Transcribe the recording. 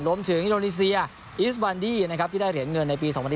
รวมถึงอิตโรนีเซียอิสบานดี้ที่ได้เหรียญเงินใน๒๐๒๐